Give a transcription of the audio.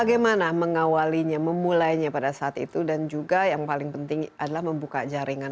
bagaimana mengawalinya memulainya pada saat itu dan juga yang paling penting adalah membuka jaringan